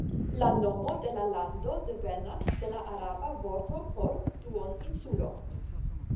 La nomo de la lando devenas de la araba vorto por duoninsulo.